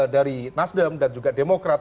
dari nasdem dan juga demokrat